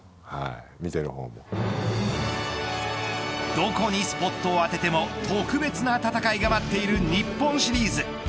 どこにスポットを当てても特別な戦いが待っている日本シリーズ。